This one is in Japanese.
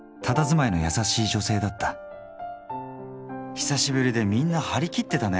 久しぶりでみんな張り切ってたネ。